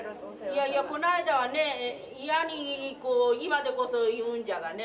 いやいやこの間はねいやに今でこそ言うんじゃがね。